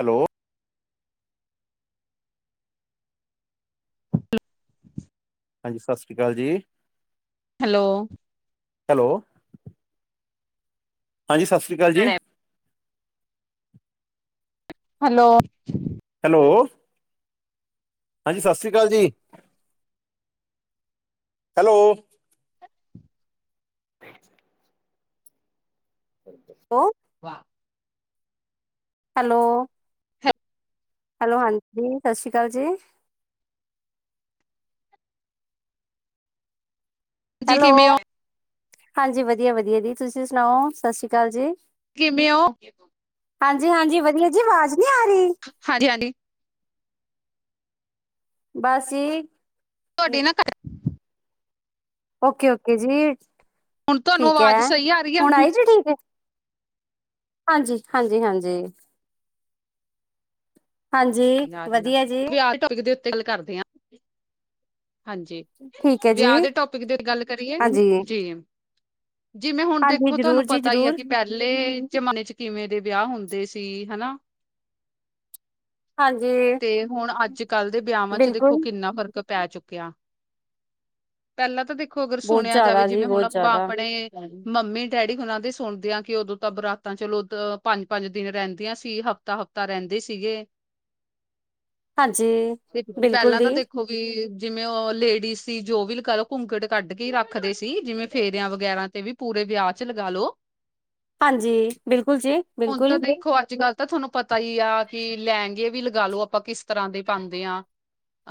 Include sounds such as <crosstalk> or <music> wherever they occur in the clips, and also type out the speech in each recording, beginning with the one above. Hello, ਹਾਂਜੀ ਸਸਰੀ ਕਾਲ ਜੀ। ਹੈਲੋ, ਹੈਲੋ, ਹਾਂਜੀ ਸਸਰੀ ਕਾਲ ਜੀ। ਹੈਲੋ, ਹੈਲੋ, ਹਾਂਜੀ ਸਸਰੀ ਕਾਲ ਜੀ। ਹੈਲੋ, <inaudible> ਹੋ ਵਾਅ ਹੈਲੋ, ਹੈਲੋ ਹਾਂਜੀ, ਸਸੀ ਕਾਲ ਜੀ। ਜੀ ਹੈਲੋ, ਕਿਵੇਂ ਹੋ ਹਾਂਜੀ ਵਦੀਆ-ਵਦੀਆ ਜੀ ਤੁਸੀਂ ਸਨਾਓ ਸਸੀ ਕਾਲ ਜੀ। ਕਿਵੇਂ ਓਂ? ਹਾਂਜੀ-ਹਾਂਜੀ ਵਦੀਆ ਜੀ ਵਾਜ਼ ਨੀ ਆ ਰਈ। ਹਾਂਜੀ-ਹਾਂਜੀ। ਬਾਸੀ ਤੁਆਡੀ ਨਾ ਘੱਟ ਓਕੇ-ਓਕੇ ਜੀ ਹੁਣ ਤੁਹਾਨੂੰ ਠੀਕ ਆਵਾਜ਼ ਹੈ, ਸਹੀ ਆ ਰਹੀ ਆ ਹੁਣ ਆਏ ਜੀ ਠੀਕ। ਹਾਂਜੀ- ਹਾਂਜੀ, ਹਾਂਜੀ ਹਾਂਜੀ ਵਧੀਆ ਜੀ ਵਿਆਹ ਦੇ ਟੋਪਿਕ ਦੇ ਉੱਤੇ ਗੱਲ ਕਰਦੇ ਆ। ਹਾਂਜੀ, ਠੀਕ ਹੈ ਜੀ ਵਿਆਹ ਦੇ ਟੋਪਿਕ ਤੇ ਗੱਲ ਕਰੀਏ। ਹਾਂਜੀ ਜੀ ਜਿਵੇਂ ਹੁਣ ਹਾਂਜੀ ਦੇਖੋ ਤੁਹਾਨੂੰ ਜ਼ਰੂਰ ਜੀ ਪਤਾ ਹੀ ਆ ਜ਼ਰੂਰ ਕਿ ਪਹਿਲੇ ਜਮਾਨੇ ਚ ਕਿਵੇਂ ਦੇ ਵਿਆਹ ਹੁੰਦੇ ਸੀ ਹਨਾ। ਹਾਂਜੀ। ਤੇ ਹੁਣ ਅੱਜ-ਕੱਲ੍ਹ ਦੇ ਵਿਆਵਾ ਚ ਦੇਖੋ ਬਿਲਕੁਲ ਕਿੰਨਾ ਫ਼ਰਕ ਪੈ ਚੁੱਕਿਆ। ਪਹਿਲਾਂ ਤਾਂ ਦੇਖੋ ਅਗਰ ਬਹੁਤ ਸੁਣਿਆ ਜਾਵੇ ਜ਼ਿਆਦਾ ਜੀ ਜਿਵੇਂ ਹੁਣ ਬਹੁਤ ਆਪਾਂ ਜ਼ਿਆਦਾ ਆਪਣੇ- ਮੰਮੀ ਡੈਡੀ ਹੁਨਾ ਦੇ ਸੁਣਦੇ ਆ ਕਿ ਉਦੋਂ ਤਾਂ ਬਰਾਤਾਂ ਚਲੋ ਪੰਜ-ਪੰਜ ਦਿਨ ਰਹਿੰਦੀਆਂ ਸੀ ਹਫਤਾ ਹਫ- ਤਾਂ ਰਹਿੰਦੇ ਸੀਗੇ ਹਾਂਜੀ, ਤੇ ਬਿਲਕੁਲ ਪਹਿਲਾਂ ਤਾ ਦੀ, ਦੇਖ ੳਵੀ ਜਿਵੇਂ ਉਹ ਲੇਡੀਜ਼ ਸੀ ਜੋ ਵੀ ਕਲ ਘੁੰਗਟ ਕੱਢ ਕੇ ਰੱਖ- ਰੱਖਦੇ ਸੀ ਜਿਵੇਂ ਫੇਰਿਆ ਵਗੈਰਾ ਤੇ ਵੀ ਪੂਰੇ ਵਿਆਹ ਚ ਲਗਾ ਲੋ। ਹਾਂਜੀ ਬਿਲਕੁਲ ਜੀ ਹੁਣ ਬਿਲਕੁਲ। ਤਾਂ ਦੇਖੋ ਅੱਜ-ਕੱਲ੍ਹ ਤਾਂ ਤੁਹਾਨੂੰ ਪਤਾ ਹੀ ਆ ਕਿ ਲਹਿਗੇ ਵੀ ਲਗਾ ਲੋ ਆਪਾਂ ਕਿਸ ਤਰ੍ਹਾਂ ਦੇ ਪਾਂਦੇ ਆ।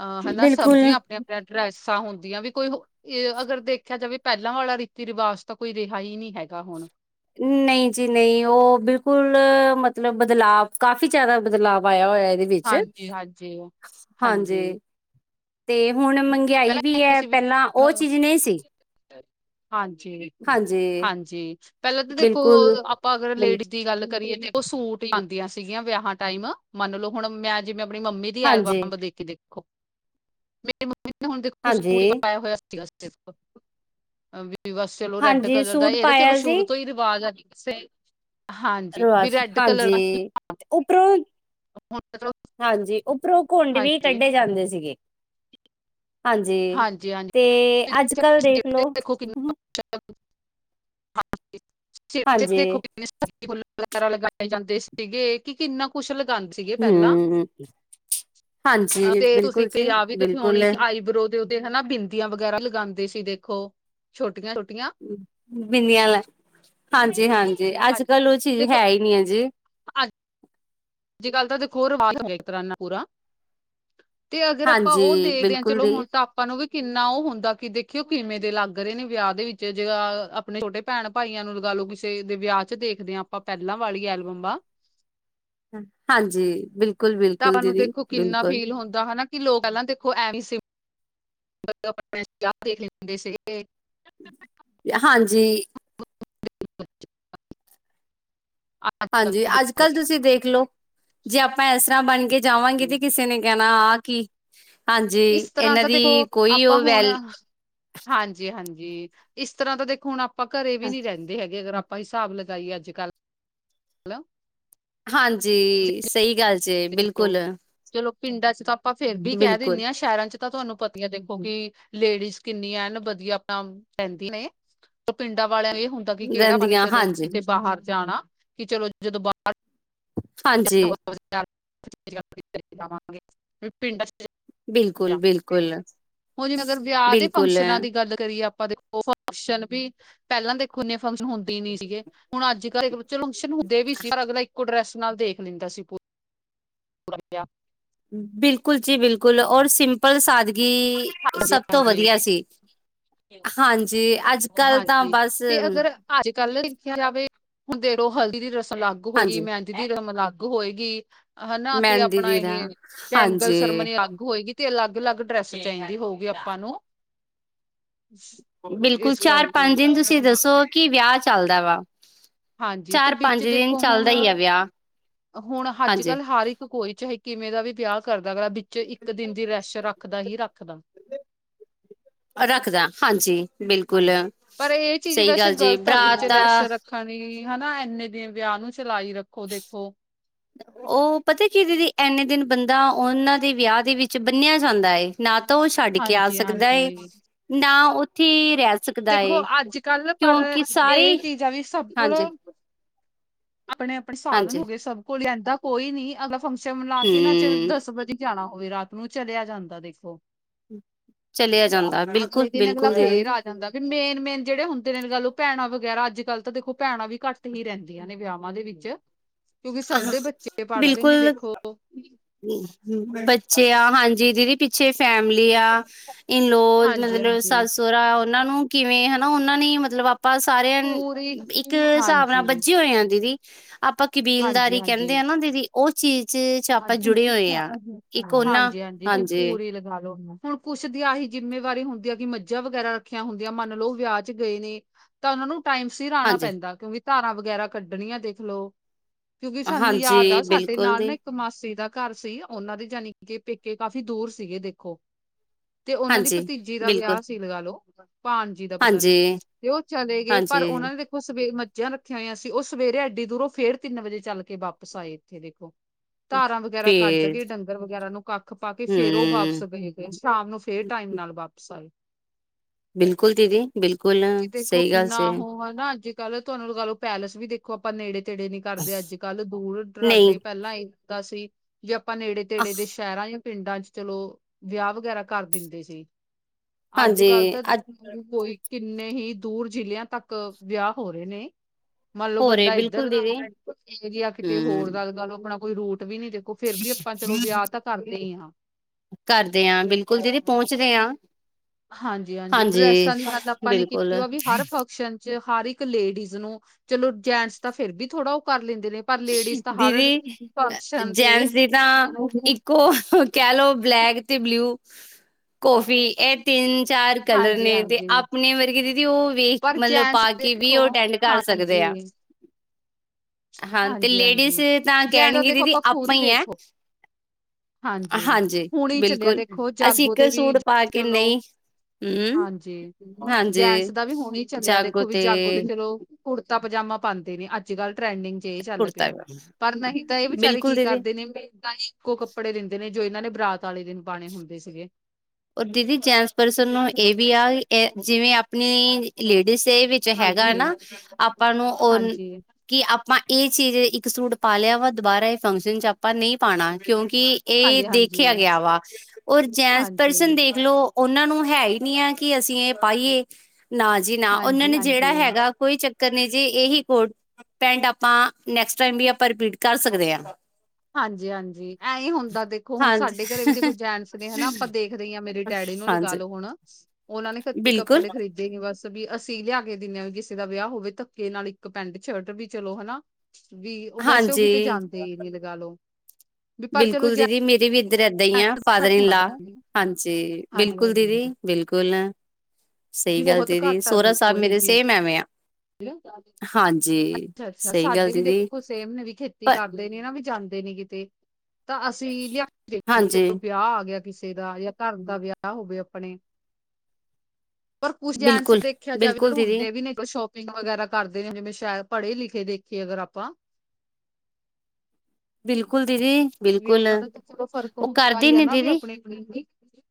ਅਹ ਹਨਾ ਸਭ ਬਿਲਕੁਲ। ਦੀਆਂ ਆਪਨੀਆਂ-ਆਪਨੀਆਂ ਡਰੈਸਾਂ ਹੁੰਦੀਆਂ ਵੀ ਕੋਈ ਹੋ ਇਹ ਅਗਰ ਦੇਖਿਆ ਜਾਵੇ ਪਹਿਲਾਂ ਵਾਲਾ ਰੀਤੀ ਰਿਵਾਜ਼ ਤਾਂ ਕੋਈ ਰਿਹਾ ਹੀ ਨਹੀਂ ਹੈਗਾ ਹੁਨ। ਨਹੀਂ ਜੀ ਨਹੀਂ ਉਹ ਬਿਲਕੁਲ ਮਤਲਬ ਬਦਲਾਵ ਕਾਫ਼ੀ ਜੈਦਾ ਬਦਲਾਵ ਆਇਆ ਹੋਇਆ ਇਹਦੇ ਵਿੱਚ ਹਾਂਜੀ-ਹਾਂਜੀ, ਹਾਂਜੀ ਹਾਂਜੀ ਤੇ ਹੁਣ ਮਹਿੰਗਾਈ ਪਹਿਲਾਂ ਵੀ ਇਹ ਏ। ਸੀ ਪਹਿਲਾਂ ਉਹ ਹੁਣ- ਚੀਜ਼ ਨਹੀਂ ਸੀ ਹਾਂਜੀ, ਹਾਂਜੀ। ਹਾਂਜੀ ਪਹਿਲਾਂ ਤਾਂ ਦੇਖੋ ਬਿਲਕੁਲ, ਆਪਾਂ ਅਗਰ ਬਿਲ ਲੇਡੀ- ਦੀ ਗੱਲ ਕਰਇਏ ਸੂਟ ਪਾਂਦੀਆਂ ਸੀਗੀਆਂ ਵਿਆਹਾਂ ਟਾਈਮ। ਮੰਨ ਲਓ ਹੁਣ ਮੈਂ ਜਿਵੇਂ ਅਪਣੀ ਮੰਮੀ ਦੀ ਹਾਂਜੀ, ਐਲਬਮ ਦੇ ਕੇ ਦੇਖੋ। ਮੇਰੇ ਮੰਮੀ ਨੇ ਹੁਣ ਦੇਖੋ ਸੂਟ ਈ ਹਾਂਜੀ। ਪਾਇਆ ਹੋਇਆ ਸੀ। ਬਸ ਚਲੋ, ਰੈਡ ਹਾਂਜੀ, ਕਲਰ ਦਾ ਸੂਟ ਇਹ ਤਾਂ ਚਲੋ ਪਾਇਆ ਸ਼ੁਰੂ ਸੀ ਤੋਂ ਹੀ <unintelligible> ਆਵਾਜ਼ ਆਈ ਸਹੀ ਹਾਂਜੀ ਵੀ ਰੈਡ ਕਲਰ ਦਾ ਉਪਰੋਂ ਹੁਣ ਤਾਂ ਚਲੋ- ਹਾਂਜੀ ਉਪਰੋਂ ਘੁੰਡ ਵੀ ਹਾਂਜੀ, ਕੱਢੇ ਜਾਂਦੇ ਸੀਗੇ। ਹਾਂਜੀ ਤੇ ਹਾਂਜੀ-ਹਾਂਜੀ ਅੱਜ ਕੱਲ ਦੇਖ ਲੋ। ਦੇਖੋ <inaudible> <unintelligible> ਹਾਂਜੀ। ਫੁੱਲ ਵਗੈਰਾ ਲਗਾਏ ਜਾਂਦੇ ਸੀਗੇ। ਕਿ ਕਿੰਨਾ ਕੁਸ਼ ਲਗਾਦੇ ਸੀਗੇ ਪਹਿਲਾਂ। ਹੁ ਤੇ ਤੁਸੀਂ ਪੰਜਾਬੀ ਤੇ ਬਿਲਕੁਲ। ਸੋਣੀਈ ਆਈਬਰੋ <unintelligible> ਤੇ ਉਹਦੇ ਹਨਾ ਬਿੰਦੀਆਂ ਵਗੈਰਾ ਲਗਾਂਦੇ ਸੀ ਦੇਖੋ। ਛੋਟੀਆਂ-ਛੋਟੀਆਂ ਬਿੰਨੀਆਂ ਲੈ ਹਾਂਜੀ ਹਾਂਜੀ ਅੱਜ ਕੱਲ੍ਹ ਉਹ ਚੀਜ਼ ਦੇਖੋ ਹੈ ਹੀ ਨੀ ਹੈ ਜੀ। ਅੱਜ-ਕੱਲ ਤਾਂ ਦੇਖੋ ਰਵਾਜ਼ ਹੋ ਗਿਆ ਇੱਕ ਤਰ੍ਹਾਂ ਨਾਲ ਪੂਰਾ। ਤੇ ਅਗਰ ਆਪਾਂ ਹਾਂਜੀ ਉਹ ਦੇਖਦੇ ਹਾਂ ਬਿਲਕੁਲ ਚਲੋ ਦੀ ਹੁਣ ਤਾਂ ਆਪਾਂ ਨੂੰ ਵੀ ਕਿੰਨਾ, ਉਹ ਹੁੰਦਾ ਕਿ ਦੇਖਿਓ ਕਿਵੇਂ ਦੇ ਲੱਗ ਰਹੇ ਨੇ ਵਿਆਹ ਦੇ ਵਿੱਚ ਜੇ- ਅਪਣੇ ਛੋਟੇ ਭੈਣ ਭਾਈਆਂ ਨੂੰ ਲਗਾ ਲੋ ਕਿਸੇ ਦੇ ਵਿਆਹ ਚ ਦੇਖਦੇ ਹਾਂ ਆਪਾਂ ਪਹਿਲਾਂ ਵਾਲੀ ਐਲਬਮਾਂ। ਹਾਂਜੀ ਬਿਲ ਤਾਂ ਆਪਾਂ ਨੂੰ ਦੇਖੋ ਕਿੰਨਾ ਫੀਲ ਹੁੰਦਾ ਹਨਾ। ਕਿ ਲੋਕ ਕਹਿਾਂ ਦੇਖੋ ਐਵੇ ਦੇਖ ਲਦੇ ਸੀਗੇ <unintelligible> <unintelligible> ਹਾਂਜੀ। <unintelligible> <unintelligible> ਅੱਜ ਹਾਂਜੀ, ਦੇਖੋ ਅੱਜ-ਕੱਲ੍ਹ ਤੁਸੀਂ ਦੇਖ ਲਓ। ਜੇ ਆਪਾਂ ਇਸ ਤਰ੍ਹਾਂ ਬਣ ਕੇ ਜਾਵਾਂਗੇ ਤੇ, ਕਿਸੇ ਨੇ ਕਹਿਣਾ ਆਹ ਕੀ? ਹਾਂਜੀ। ਇਸ ਤਰ੍ਹਾਂ ਇਹਨਾਂ ਤਾਂ ਦੀ ਕੋਈ ਉਹ ਵੈਲ- ਹਾਂਜੀ-ਹਾਂਜੀ। ਇਸ ਤਰ੍ਹਾਂ ਤਾਂ ਦੇਖੋ, ਹੁਣ ਆਪਾਂ ਘਰੇ ਨੀ ਰਹਿੰਦੇ। ਹੈਗੇ। ਅਗਰ ਆਪਾਂ ਹਿਸਾਬ ਲਗਾਈਏ। ਅੱਜ-ਕੱਲ੍ਹ ਹੈਲੋ। ਹਾਂਜੀ। ਸਹੀ ਗੱਲ ਜੇ ਬਿਲਕੁਲ-ਬਿਲਕੁਲ ਚਲੋ ਪਿੰਡਾਂ ਚ, ਤਾਂ ਆਪਾਂ ਫੇਰ ਵੀ ਕਹਿ ਦੇਣੇ ਆ ਸ਼ਹਿਰਾਂ ਚ ਤਾਂ ਤੁਹਾਨੂੰ ਪਤੀਆਂ ਦੇਖੋ, ਕਿਉਂਕਿ ਲੇਡੀਜ਼ ਕਿੰਨੀ ਐਨ ਵਧੀਆ। ਆਪਣਾ ਰਹਿੰਦੀ ਨੇ ਪਿੰਡਾਂ ਵਾਲਿਆਂ ਇਹ ਹੁੰਦਾ ਕਿ ਕਿਹੜਾ ਆਪ ਨੇ ਰਹਿੰਦੀਆਂ ਕਦੇ ਕਿਤੇ ਬਾਹਰ ਜਾਣਾ। ਕਿ ਚਲੋ ਜਦੋਂ ਬਾ ਹਾਂਜੀ-ਹਾਂਜੀ <inaudible> ਜਾ ਬਿਲਕੁਲ-ਬਿਲਕੁਲ ਹੁਣ ਜਿਵੇਂ ਅਗਰ ਵਿਆਹ ਦੇ ਫੰਕਸ਼ਨਾਂ ਦੀ ਗੱਲ ਕਰੀਏ। ਆਪਾਂ ਉਹ ਫੰਕਸ਼ਨ ਵੀ ਪਹਿਲਾਂ ਦੇਖੋ ਇੰਨੇ ਫੰਕਸ਼ਨ ਹੁੰਦੇ ਨੀ ਸੀਗੇ। ਹੁਣ ਅੱਜ ਕੱਲ੍ਹ <unintelligible> ਚਲੋ ਫ਼ੰਕਸ਼ਨ ਹੁੰਦੇ ਵੀ ਸੀ। ਅਗਲਾ ਇੱਕੋ ਡਰੈੱਸ ਨਾਲ਼ ਦੇਖ ਲੈਂਦਾ ਸੀ। ਵਧੀਆ। ਬਿਲਕੁਲ ਜੀ-ਬਿਲਕੁਲ ਔਰ ਸਿੰਪਲ ਸਾਦਗੀ ਈ ਸਭ ਤੋਂ ਹਾਂਜੀ ਵਧੀਆ ਸੀ। ਹਾਂਜੀ, ਅੱਜ ਕੱਲ੍ਹ ਤਾਂ ਹਾਂਜੀ ਬਸ ਤੇ ਅਗਰ ਅੱਜ ਕੱਲ੍ਹ ਦੇਖਿਆ ਜਾਵੇ। ਹੁਣ ਦੇਖਲੋ, ਹਲਦੀ ਦੀ ਰਸਮ ਲੱਗ ਹੋਈ। ਹਾਂਜੀ ਮੈ ਜਦੀ ਰਮ ਲੱਗ ਹੋਏਗੀ ਹਨਾ। ਮਹਿੰਦੀ ਆਪਣਾ ਦੀ ਦਾ ਤੇ ਇਹ ਬੈਂਗਲ ਹਾਂਜੀ ਸੈਰੇਮਨੀ ਲੱਗ ਹੋਏਗੀ। ਤੇ ਅਲੱਗ-ਅਲੱਗ ਡਰੈੱਸ ਚਾਹੀਦੀ ਹੋਗੀ। ਆਪਾਂ ਨੂੰ। ਬਿਲਕੁਲ ਇਸ ਚਾਰ ਕਰਕੇ -ਪੰਜ ਦਿਨ ਤੁਸੀਂ ਦੱਸੋ, ਕੀ ਵਿਆਹ ਚੱਲਦਾ ਵਾ। ਹਾਂਜੀ ਤੇ ਚਾਰ ਵਿੱਚ ਪੰਜ ਦਿਨ ਦੇਖੋ। ਹੁਣ ਚੱਲਦਾ ਹੀ ਆ ਵਿਆਹ -ਹੁਣ ਹੱਜ ਹਾਂਜੀ ਕੱਲ੍ਹ ਹਰ ਇੱ ਕੋਈ ਚਾਹੇ ਕਿਵੇਂ ਦਾ ਵੀ ਵਿਆਹ ਕਰਦਾ। ਅਗਲਾ‌ ਵਿੱਚ ਇੱਕ ਦਿਨ ਦੀ ਰੈਸਟ ਰੱਖਦਾ ਹੀ ਰੱਖਦਾ। <inaudible> ਰੱਖਦਾ। ਹਾਂਜੀ, ਬਿਲਕੁਲ ਹਾਂਜੀ ਪਰ ਇਹ ਸਹੀ ਗੱਲ ਜੀ ਬਰਾਤ ਦਾ ਖਣੀ ਹਨਾ। ਇੰਨੇ ਦਿਨ ਵਿਆਹ ਨੂੰ ਚਲਾਈ ਰੱਖੋ ਦੇਖੋ। ਉਹ ਪਤਾ ਕਿ ਦੀਦੀ ਇੰਨੇ ਦਿਨ ਬੰਦਾ ਉਹਨਾਂ ਦੇ ਵਿਆਹ ਦੇ ਵਿੱਚ ਬੰਨਿਆ ਜਾਂਦਾ ਏ। ਨਾ ਤਾਂ ਉਹ ਛੱਡ ਕੇ ਆ ਹਾਂਜੀ ਸਕਦਾ ਏ, ਹਾਂਜੀ ਨਾ ਉੱਥੇ ਰਹਿ ਸਕਦਾ ਦੇਖੋ, ਏ ਅੱਜ ਕੱਲ੍ਹ ਪਰ ਕਿਉਂਕਿ ਇਹ ਸਾਰੀ ਚੀਜ਼ ਆ ਵੀ ਸਭ ਕੋਲ਼ ਹਾਂਜੀ ਆਪਣੇ -ਆਪਣੇ ਸਾਧਨ ਹਾਂਜੀ ਹੋ ਗਏ। ਸਭ ਕੋਲ਼ ਏਦਾਂ ਕੋਈ ਨੀ ਅਗਲ ਫੰਕਸ਼ਨ ਮਿਲਾ ਕੇ ਨਾ। ਚਿਰ ਦਸ ਹੂੰ ਵਜੇ ਜਾਣਾ ਹੋਵੇ ਰਾਤ ਨੂੰ ਚੱਲਿਆ ਜਾਂਦਾ ਦੇਖੋ। ਚੱਲਿਆ ਜਾਂਦਾ। ਬਿਲਕੁਲ ਅਗਲੇ ਦਿਨ ਅਗਲਾ -ਬਿਲਕੁਲ ਦੀਦੀ। ਫੇਰ ਆ ਜਾਂਦਾ ਵੀ ਮੇਨ-ਮੇਨ ਜਿਹੜੇ ਹੁੰਦੇ ਨੇ, ਗੱਲ ਉਹ ਭੈਣਾਂ ਵਗੈਰਾ ਅੱਜ ਕੱਲ੍ਹ ਤਾਂ ਦੇਖੋ। ਭੈਣਾਂ ਵੀ ਘੱਟ ਹੀ ਰਹਿੰਦੀਆਂ ਨੇ ਵਿਆਹਾਂ ਦੇ ਵਿੱਚ ਚ ਕਿਉਂਕਿ ਸਭ ਦੇ ਬੱਚੇ ਪੜ੍ਹਦੇ ਨੇ ਬਿਲਕੁਲ ਦੇਖੋ ਓ। ਬੱਚੇ ਆ। ਹਾਂਜੀ ਦੀਦੀ ਪਿੱਛੇ ਫੈਮਿਲੀ ਆ। ਇਨਲੋ ਹਾਂਜੀ ਮਤਲਬ ਹਾਂਜੀ ਸੱਸ ਰਾ ਉਹਨਾਂ ਨੂੰ ਕਿਵੇਂ ਹਨਾ। ਉਹਨਾਂ ਨੇ ਮਤਲਬ ਆਪ ਆਪਾਂ ਸਾਰਿਆਂਨ ਪੂਰੀ ਇੱਕ ਸਾਬ ਨਾਲ ਹਾਂਜੀ ਬੱਝ ਹੋਏ ਆ। ਦੀਦੀ ਆਪਾਂ ਕੀਬ ਹਾਂਜੀ ਕਬੀਲਦਾਰੀ ਕਹਿੰਦੇ ਹਾਂਜੀ ਆ ਨਾ। ਦੀਦੀ ਉਹ ਚੀਜ਼ ਚ ਆਪਾਂ ਜੁੜੇ ਹੋਏ ਆ <unintelligible> ਇੱਕ ਉਹਨਾਂ ਹਾਂਜੀ ਹਾਂਜੀ ਹਾਂਜੀ ਭੂਰ ਹੀ ਲਗਾ ਲੋੋ ਹੁ। ਹੁਣ ਕੁਛ ਦੀ ਆਹੀ ਜ਼ਿੰਮੇਵਾਰੀ ਹੁੰਦੀ ਹੈ। ਕਿ ਮੱਝਾਂ ਵਗੈਰਾ ਰੱਖੀਆਂ ਹੁੰਦੀਆਂ ਮੰਨ ਲਓ। ਵਿਆਹ ਚ ਗਏ ਨੇ ਤਾਂ ਉਹਨਾਂ ਨੂੰ ਟਾਈਮ ਸਿਰ ਆਣਾ ਹਾਂਜੀ ਪੈਂਦਾ। ਕਿਉਂਕਿ ਧਾਰਾਂ ਵਗੈਰਾ ਕੱਢਣੀਆਂ ਦੇਖ ਲਓ। ਕਿਉਂਕਿ ਸਾਨੂੰ ਯਾਦ ਹਾਂਜੀ ਆ ਸਾਡੇ ਬਿਲਕੁਲ ਨਾਲ ਨਾ ਦੀ ਇ ਕ ਮਾਸੀ ਦਾ ਘਰ ਸੀ ਉਹਨਾਂ ਦੀ ਜਾਣੀ ਕਿ ਪੇਕੇ ਕਾਫ਼ੀ ਦੂਰ ਸੀਗੇ ਦੇਖੋ। ਤੇ ਉਹਨਾਂ ਦੀ ਹਾਂਜੀ ਭਤੀਜੀ ਦਾ ਬਿਲਕੁਲ ਵਿਆਹ ਸੀ ਲਗਾ ਲੋ ਭਾਣ ਜੀ ਦਾ ਪਤਾ ਨੀ, ਹਾਂਜੀ ਤੇ ਉਹ ਚਲੇ ਗਏ ਪਰ ਹਾਂਜੀ ਉਹਨਾਂ ਨੇ ਦੇ ਓ ਸਵੇ ਮੱਝਾਂ ਆ ਰੱਖੀਆਂ ਹੋਈਆਂ ਸੀ ਓ ਸਵੇਰੇ ਐਡੀ ਦੂਰੋਂ ਫੇਰ ਤਿੰਨ ਵਜੇ ਚੱਲ ਕੇ ਵਾਪਸ ਆਏ ਇੱਥੇ ਦੇਖੋ। ਧਾਰਾਂ ਵਗੈਰਾ ਕੱਢ ਫੇਰ ਗੇ, ਡੰਗਰ ਵਗੈਰਾ ਨੂੰ ਕੱਖ ਪਾ ਕੇ ਫੇਰ ਉਹ ਵਾਪਸ ਹੂੰ। ਗਏ। ਸ਼ਾਮ ਨੂੰ ਫੇਰ ਟਾਈਮ ਨਾਲ ਵਾਪਿਸ ਆਏ। ਬਿਲਕੁਲ ਦੀਦੀ ਬਿਲਕੁਲ ਸਹੀ ਗੱਲ ਸੀ। ਓਹੋ ਨਾ ਅੱਜ ਕੱਲ ਤੁਹਾਨੂੰ ਲਗਾ ਲਓ ਪੈਲੇਸ ਵੀ ਦੇਖੋ ਆਪਾਂ ਨੇੜੇ- ਤੇੜੇ ਨੀ ਕਰਦੇ ਅੱਜ ਕੱਲ ਦੂਰ ਨਹੀਂ ਦਰਾਡੇ ਪਹਿਲਾਂ ਏਕਾ ਸੀ ਵੀੇ ਆਪਾਂ ਨੇੜੇ- ਤੇੜੇ ਦੇ ਸ਼ਹਿਰਾਂ ਪਿੰਡਾਂ 'ਚ ਚਲੋ ਵਿਆਹ ਵਗੈਰਾ ਕਰ ਦਿੰਦੇ ਸੀ, ਅੱਜ ਕੱਲ ਹਾਂਜੀ ਤਾਂ ਅੱਜ ਕੋਈ ਕਿੰਨੇ ਹੀ ਦੂਰ ਜ਼ਿਲਿਆਂ ਤੱਕ ਵਿਆਹ ਹੋ ਰਹੇ ਨੇ। ਮੰਨ ਲਓ ਹੋ ਰਹੇ ਬੰਦਾ ਇੱਧਰ ਬਿਲਕੁਲ ਦਾ ਦੀਦੀ <inaudible> ਏਰੀਆ ਕਿਤੇ ਹੂੰ ਹੋਰ ਦਾ ਆਪਣਾ ਕੋਈ ਰੂਟ ਵੀ ਨੀ ਦਿੰ ਫੇਰ ਵੀ ਆਪਾਂ ਚਲੋ ਵਿਆਹ ਤਾਂ ਕਰਦੇ ਹੀ ਹਾਂ। ਕਰਦੇ ਹਾਂ ਬਿਲਕੁਲ ਦੀਦੀ ਪਹੁੰਚਦੇ ਹਾਂ। ਹਾਂਜੀ- ਹਾਂਜੀ ਡਰੈਸਾਂ ਦੀ ਗੱਲ ਆਪਾਂ ਨੇ ਬਿਲਕੁਲ ਕੀਤੀ ਉਹ ਵੀ ਹਰ ਫੰਕਸ਼ਨ ਚ ਹਰ ਇੱਕ ਲੇਡੀਜ਼ ਨੂੰ ਚਲੋ ਜੈਂਟਸ ਤਾਂ ਫੇਰ ਵੀ ਥੋੜਾ ਉਹ ਕਰ ਲੈਂਦੇ ਨੇ। ਪਰ ਲੇਡੀਜ਼ ਤਾਂ ਹਰ ਦੀਦੀ ਫੰਕਸ਼ਨ ਤੇ ਜੈਂਟਸ ਦੀ ਤਾਂ ਇੱਕੋ ਕਹਿ ਲੋ ਬਲੈਕ ਤੇ ਬਲਿਉ, ਕੋਫੀ ਇਹ ਤਿੰਨ- ਚਾਰ ਕਲਰ ਨੇਂ ਤੇ ਹਾਂਜੀ-ਹਾਂਜੀ ਆਪਣੇ ਵਰਗੇ ਦੀਦੀ ਉਹ ਪਿੱਕ ਪਰ ਮਤਲਬ ਜੈਂਟਸ ਪਾ ਕੇ ਵੀ ਦੇਖੋ ਉਹ ਅਟੈਂਡ ਕਰ ਸਕਦੇ ਆ। ਹਾਂ ਤੇ ਹਾਂਜੀ- ਲੇਡੀਜ਼ ਹਾਂਜੀ ਜੈਂਨਸ ਤਾਂ ਕਹਿਣਗੇ ਦੇਖੋ ਦੀਦੀ ਆਪਾਂ ਖੁੱਦ ਹੀ ਹੈ ਵੇਖੋ। ਹਾਂਜੀ ਹੁਣੇ ਹੀ ਚੱਲਿਆ ਬਿਲਕੁਲ ਦੇਖੋ ਅਸੀਂ ਜਾਗੋ ਇੱਕ ਤੇ ਵੀ ਸੂਟ ਪਾ ਕੇ ਚਲੋ ਨਹੀਂ ਹਮ ਹਾਂਜੀ ਹਾਂਜੀ ਜੈਂਟਸ ਦਾ ਵੀ ਹੁਣ ਹੀ ਚੱਲਿਆ ਦੇਖੋ ਵੀ ਜਾਗੋ ਤੇ ਚਲੋ ਕੁੜਤਾ-ਪਜਾਮਾ ਪਾਂਦੇ ਨੇ ਅੱਜ- ਕੱਲ ਟਰੈਂਡਿੰਗ ਜੇ ਇਹ ਚੱਲ ਕੁੜਤਾ ਪਿਆ, ਪਰ ਨਹੀਂ ਤਾਂ ਇਹ ਵਿਚਾਰੇ ਬਿਲਕੁਲ ਕੀ ਦੀਦੀ ਕਰਦੇ ਨੇਂ ਹੀ ਇੱਕੋ ਕੱ ਕੱਪੜੇ ਦਿੰਦੇ ਨੇਂ ਜੋ ਇਹਨਾਂ ਨੇ ਬਰਾਤ ਵਾਲੇ ਦਿਨ ਪਾਣੇ ਹੁੰਦੇ ਸੀਗੇ। ਓ ਦੀਦੀ ਜੈਂਟਸ ਪਰਸਨ ਨੂੰ ਇਹ ਵੀ ਆ ਜਿਵੇਂ ਆਪਣੀ ਲੇਡੀਜ਼ ਹੈ ਵੀ ਜੇ ਹੈਗਾ ਹਾਂਜੀ। ਏ ਨਾਂ ਆਪਾਂ ਨੂੰ ਉਹ ਹਾਂਜੀ, ਕਿ ਆਪਾਂ ਇਹ ਚੀਜ਼ ਇੱਕ ਸੂਟ ਪਾ ਲਿਆ ਵਾ ਦੁਬਾਰਾ ਇਹ ਫੰਕਸ਼ਨ ਚ ਆਪਾਂ ਨਹੀਂ ਪਾਉਣਾ ਕਿਉਂਕਿ ਇਹ ਹਾਂਜੀ-ਹਾਂਜੀ, ਹਾਂਜੀ, ਦੇਖਿਆ ਗਿਆ ਵਾ, ਔਰ ਜੈਂਟਸ ਪਰਸਨ ਹਾਂਜੀ-ਹਾਂਜੀ। ਦੇਖਲੋ ਉਹਨਾਂ ਨੂੰ ਹੈ ਹੀ ਨਹੀਂ ਹੈ ਕਿ ਅਸੀਂ ਇਹ ਪਾਈਏ। ਨਾਂ ਜੀ ਨਾਂ ਉਹਨਾਂ ਨੇ ਜਿਹੜਾ ਹੈਗਾ ਕੋਈ ਚੱਕਰ ਨਹੀਂ ਜੀ ਇਹੀ ਕੋਟ- ਪੈਂਟ ਆਪਾਂ ਨੈਕਸਟ ਟਾਈਮ ਵੀ ਆਪਾਂ ਰਿਪੀਟ ਕਰ ਸਕਦੇ ਹਾਂ। ਹਾਂਜੀ- ਹਾਂਜੀ ਐਂ ਹੀ ਹੁੰਦਾ ਦੇਖੋ ਹੁਣ ਹਾਂਜੀ ਸਾਡੇ ਘਰੇ ਵੀ ਦੇਖੋ ਜੈਂਟਸ ਨੇ ਹਨਾ ਆਪਾਂ ਦੇਖ ਖ ਰਹੀ ਆ ਮੇਰੇ ਡੈਡੀ ਨੂੰ ਲਗਾ ਹਾਂਜੀ ਲੋ ਹੁਣ, ਉਹਨਾਂ ਨੇ ਕਦ ਬਿਲਕੁਲ ਕੱਪੜੇ ਖਰੀ- ਦੇ ਬਸ ਵੀ ਅਸੀਂ ਲਿਆ ਕੇ ਦਿੰਦੇ ਹਾਂ ਵੀ ਕਿਸੇ ਦਾ ਵਿਆਹ ਹੋਵੇ ਧੱਕੇ ਨਾਲ ਇੱਕ ਪੈਂਟ ਸ਼ਰਟ ਵੀ ਚਲੋ ਹਨਾ। ਵੀ ਵੈਸੇ ਉਹ ਕਿਤੇ ਹਾਂਜੀ ਜਾਂਦੇ ਹੀ ਨਹੀਂ ਲਗਾ ਲਓ। ਬਿਲਕੁਲ ਦੀਦੀ ਮੇਰੀ ਵੀ ਇੱਧਰ ਏਦਾਂ ਹੀ ਆ ਫਾਦਰ ਇਨ ਲਾ, ਹਾਂਜੀ ਹਾਂਜੀ ਬਿਲਕੁਲ ਦੀਦੀ। ਹਾਂਜੀ ਬਿਲਕੁਲ ਵੀ ਸਹੀ ਗੱਲ ਬਹੁਤ ਦੀਦੀ ਘੱਟ ਆ ਸੋਹਰਾ ਸਾਹਿਬ ਦੇਖੋ ਇਹ ਮੇਰੇ ਚੀਜ਼ ਸੇਮ ਐਵੇਂ ਆ। ਹਾਂਜੀ, ਅੱਛਾ ਅੱਛਾ ਸਹੀ ਗੱਲ ਸਾਡੇ ਵੀ ਦੀਦੀ। ਦੇਖੋ ਸੇਮ ਵੀ ਖੇਤੀ ਪਰ ਕਰਦੇ ਨੀ ਨਾ ਵੀ ਜਾਂਦੇ ਨੀ ਕਿਤੇ। ਤਾਂ ਅਸੀਂ ਲਿਆ ਦੇਖਦੇ ਵੀ ਹਾਂਜੀ ਚਲੋ ਵਿਆਹ ਆ ਗਿਆ ਕਿਸੇ ਦਾ ਜਾਂ ਘਰ ਦਾ ਵਿਆਹ ਹੋਵੇ ਆਪਣੇ। ਪਰ ਕੁੱਛ ਜੈਂਟਸ ਬਿਲਕੁਲ ਦੇਖਿਆ ਜਾਵੇ ਬਿਲਕੁਲ ਦੀਦੀ ਹੁੰਦੇ ਵੀ ਨਹੀਂ ਸ਼ੋ ਸੋ਼ਪਿਂਗ ਵਗੈਰਾ ਕਰਦੇ ਜਿਵੇਂ ਸ਼ਾਇਦ ਪੜੇ ਲਿਖੇ ਵੇਖੀਏ ਅਗਰ ਆਪਾਂ। ਬਿਲਕੁਲ ਦੀਦੀ ਵੀ ਬਿਲਕੁਲ ਉਹਨਾ ਦਾ ਤਾਂ ਚਲੋ ਫ਼ਰਕ ਉਹ ਹੁੰਦਾ ਕਰਦੇ ਹੀ ਹੈ ਨੇ ਨਾ ਵੀ ਦੀਦੀ ਆਪਣੇ ਆਪਣੇ ਵੀ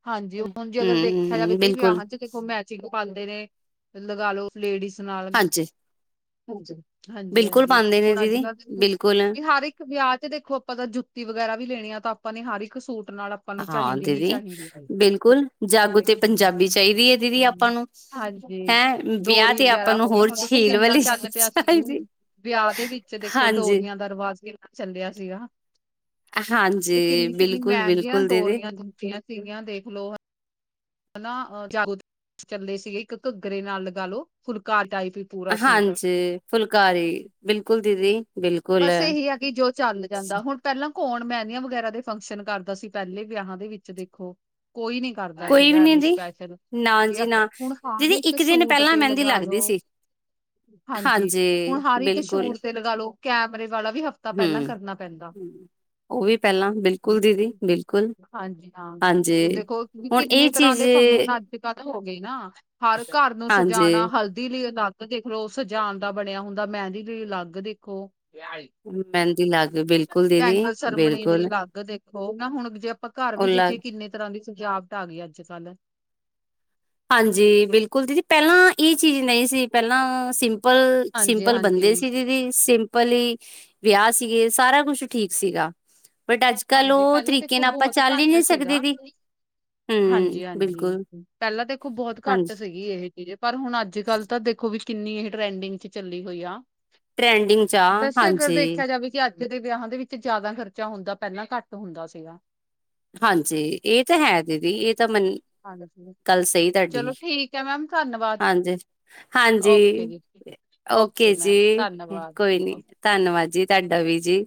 ਹਾਂਜੀ ਹੁਣ ਜੀ ਅਗਰ ਦੇਖਿਆ ਜਾਵੇ ਹਮ ਕਈ ਬਿਲਕੁਲ ਵਿਆਹਾਂ ਚ ਦੇਖੋ ਮੈਂ ਪਿੱਕ ਪਾਂਦੇ ਨੇ ਲਗਾਲੋ ਲੇਡੀਜ਼ ਨਾਲ, ਹਾਂਜੀ ਹਾਂਜੀ। ਹਾਂਜੀ- ਬਿਲਕੁਲ ਹਾਂਜੀ, ਪਾਉਂਦੇ ਨੇ ਹੁਣ ਅੱਜ- ਦੀਦੀ ਬਿਲਕੁਲ ਕੱਲ੍ਹ ਵਿਆਹ ਚ ਦੇਖੋ ਆਪਾਂ ਤਾਂ ਜੁੱਤੀ ਵਗੈਰਾ ਵੀ ਲੈਣੀ ਆ, ਤਾਂ ਆਪਾਂ ਨੇ ਹਰ ਇੱਕ ਸੂਟ ਨਾਲ। ਆਪਾਂ ਨੂੰ ਹਾਂ ਚਾਹੀਦੀ ਹੀ ਦੀਦੀ, ਚਾਹੀਦੀ <inaudible> ਬਿਲਕੁਲ ਜਾਗੋ ਤੇ ਹੈ ਪੰਜਾਬੀ ਚਾਹੀਦੀ ਹੈ, ਦੀਦੀ ਆਪਾਂ ਨੂੰ ਹਾਂਜੀ, ਹੈਂ ਵਿਆਹ ਡੋਰੀ ਤੇ ਆਪਾਂ ਵਗੈਰਾ ਨੂੰ ਹੋ ਗਿਆ, ਹੋਰ ਹੁਣ ਦੇਖੋ ਝੀਲ ਕਿੰਨਾ ਵਾਲੀ ਚੱਲ ਪਿਆ ਸੀ, ਚਾਹੀਦੀ ਵਿਆਹ ਦੇ ਵਿੱਚ ਦੇਖੋ ਹਾਂਜੀ, ਡੋਰੀਆਂ ਦਾ ਰਿਵਾਜ਼ ਕਿੰਨਾ ਚੱਲਿਆ ਸੀਗਾ। ਤੇ ਹਾਂਜੀ ਕਿੰਨੀ- ਕਿੰਨੀ ਮਹਿੰਗੀਆਂ ਬਿਲਕੁਲ-ਬਿਲਕੁਲ ਦੀਦੀ। ਡੋਰੀਆਂ ਦਿੱਤੀਆਂ ਸੀਗੀਆਂ ਦੇਖ ਲੋ। ਹਨਾ ਜਾਗੋ <inaudible> ਤੇ ਚਲੇ ਸੀਗੇ, ਇੱਕ ਘੱਗਰੇ ਨਾਲ ਲਗਾ ਲੋ ਫੁਲਕਾ ਟਾਈਪ ਪੂਰਾ ਸੂਟ ਹਾਂਜੀ, ਫੁਲਕਾਰੀ ਬਿਲਕੁਲ ਦੀਦੀ। ਬਿਲਕੁਲ ਬਸ ਇਹੀ ਆ ਕਿ ਜੋ ਚੱਲ ਜਾਂਦਾ ਹੁਣ ਪਹਿਲਾਂ ਕੌਣ ਮੈਦੀਆ ਵਗੈਰਾ ਦੇ ਫੰਕਸ਼ਨ ਕਰਦਾ ਸੀ, ਪਹਿਲੇ ਵਿਆਹਾਂ ਦੇ ਵਿੱਚ ਦੇਖੋ ਕੋਈ ਨੀ ਕਰਦਾ ਕੋਈ ਵੀ ਸੀਗਾ ਨੀ ਏਵੇ ਦੀ। ਸਪੈਸ਼ਲ ਨਾ ਜੀ ਜਾਂ ਨਾ, ਹੁਣ ਹਰ ਦੀਦੀ ਇੱਕ ਦਿਨ ਸ਼ੂਟ ਪਹਿਲਾਂ ਤੇ ਮਹਿੰਦੀ ਲਗਾ ਲੱਗਦੀ ਲੋ ਸੀ। ਹਾਂਜੀ, ਹੁਣ ਹਰ ਇੱਕ ਬਿਲਕੁਲ ਸ਼ੂਟ ਤੇ ਲਗਾਲੋ ਕੈਮਰੇ ਵਾਲਾ ਵੀ ਹਫ ਤਾਂ ਪਹਿਲਾਂ ਕਰਨਾ ਪੈਂਦਾ। ਔਹ ਵੀ ਪਹਿਲਾਂ ਬਿਲਕੁਲ ਦੀਦੀ ਬਿਲਕੁਲ ਹਾਂਜੀ। ਦੀਦੀ ਹੁਣ ਇਹ ਕਿੰਨੇ ਤਰ੍ਹਾਂ ਚੀਜ਼ ਦੇ ਫੰਕਸ਼ਨ ਅੱਜ -ਕੱਲ ਹੋ ਗਏ ਨਾ, ਹਰ ਘਰ ਨੂੰ ਹਾਂਜੀ ਸਜਾਣਾ ਹਲਦੀ ਲਈ ਅਲੱਗ ਦੇਖ ਲੋ ਸਜਣ ਦਾ ਬਣਿਆ ਹੁੰਦਾ, ਮੈਂਦੀ ਲਈ ਅਲੱਗ ਦੇਖੋ, ਹਾਂਜੀ। <inaudible> ਮਹਿੰਦੀ ਲੱਗ ਬਿਲਕੁਲ ਦੀਦੀ ਬੈਂਗਲ ਸਰਮਣੀ ਲਈ ਬਿਲਕੁਲ ਅਲੱਗ ਦੇਖੋ, ਨਾ ਹੁਣ ਜੇ ਆਪਾਂ ਘਰ ਉਹ ਵੀ ਲੱਗ ਦੇਖੀਏ ਕਿੰਨੇ ਤਰ੍ਹਾਂ ਦੀ ਸਜਾਵਟ ਆ ਗਈ ਅੱਜ ਕੱਲ੍ਹ। ਹਾਂਜੀ, ਬਿਲਕੁਲ ਦੀਦੀ ਪਹਿਲਾਂ ਇਹ ਚੀਜ਼ ਨਹੀਂ ਸੀ, ਪਹਿਲਾਂ ਸਿੰ ਸਿੰਪਲ, ਹਾਂਜੀ ਸਿੰਪਲ ਹਾਂਜੀ ਬੰਦੇ ਸੀਗੇ ਦੀਦੀ ਸਿੰ ਸਿੰਪਲੀ ਵਿਆਹ ਸੀਗੇ, ਸਾਰਾ ਕੁਛ ਠੀਕ ਸੀਗਾ। ਬਟ ਅੱਜ ਕੱਲ੍ਹ ਹਾਂਜੀ ਉਹ ਪਹਿਲਾਂ ਤਰੀਕੇ ਦੇਖੋ ਨਾਲ ਆਪਾਂ ਬਹੁਤ ਚੱਲ ਹੀ ਨਹੀਂ ਘੱਟ ਸਕਦੇ ਸੀਗਾ ਦੀ। ਹਮ ਹਾਂਜੀ-ਹਾਂਜੀ, ਬਿਲਕੁਲ। ਪਹਿਲਾਂ ਦੇਖੋ ਬਹੁਤ ਘੱਟ ਹਾਂਜੀ ਸੀਗੀ ਇਹੇ ਪਰ ਹੁਣ ਅੱਜ ਕੱਲ੍ਹ ਤਾਂ ਦੇਖੋ ਵੀ ਕਿੰਨੀ ਇਹ ਟਰੈਂਡਿੰਗ ਚ ਚੱਲੀ ਹੋਈ ਆ। ਟਰੈਂਡਿੰਗ ਚ ਆ <unintelligible> ਬਸ ਅਗਰ ਹਾਂਜੀ, ਦੇਖਿਆ ਜਾਵੇ ਕਿ ਅੱਜ ਅੱਜ ਦੇ ਵਿਆਹਾਂ ਦੇ ਵਿੱਚ ਜਿਆਦਾ ਖਰਚਾ ਹੁੰਦਾ, ਪਹਿਲਾਂ ਘੱਟ ਹੁੰਦਾ ਸੀਗਾ। ਹਾਂਜੀ, ਇਹ ਤਾਂ ਹੈ ਦੀਦੀ ਇਹ ਤਾਂ ਮਨ ਹਾਂਜੀ, <inaudible> ਗੱਲ ਸਹੀ ਤੁਹਾਡੀ ਚਲੋ ਠੀਕ ਹੈ ਮੈਮ <inaudible> ਧੰਨਵਾਦ ਹਾਂਜੀ <inaudible> ਓਕੇ ਹਾਂਜੀ। ਜੀ। ਓਕੇ ਮੈਮ ਜੀ, ਧੰਨਵਾਦ। ਕੋਈ ਨੀ ਧੰਨਵਾਦ ਜੀ ਤੁਹਾਡਾ ਵੀ ਜੀ।